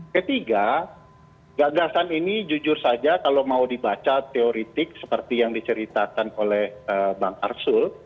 ketiga gagasan ini jujur saja kalau mau dibaca teoretik seperti yang diceritakan oleh bang arsul